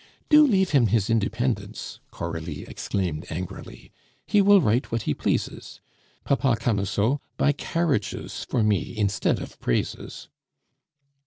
"Do leave him his independence," Coralie exclaimed angrily; "he will write what he pleases. Papa Camusot, buy carriages for me instead of praises."